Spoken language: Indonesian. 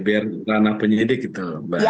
biar anak penyidik itu